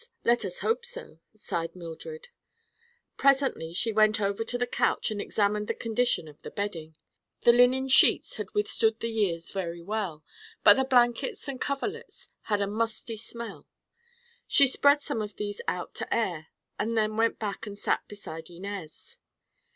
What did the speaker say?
Let us hope so," sighed Mildred. Presently she went over to the couch and examined the condition of the bedding. The linen sheets had withstood the years very well, but the blankets and coverlets had a musty smell. She spread some of these out to air and then went back and sat beside Inez.